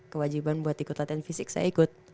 kewajiban buat ikut latihan fisik saya ikut